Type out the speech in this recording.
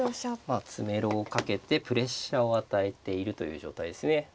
詰めろをかけてプレッシャーを与えているという状態ですね。